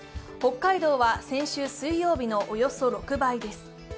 北海道は先週水曜日のおよそ６倍です。